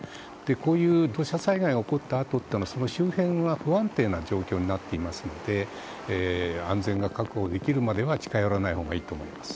こういう土砂災害が起こったあとその周辺が不安定な状況になっていますので安全が確保できるまでは近寄らないほうがいいと思います。